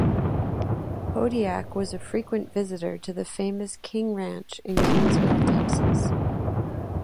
Hodiak was a frequent visitor to the famous King Ranch in Kingsville, Texas.